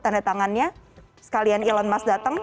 tanda tangannya sekalian elon musk datang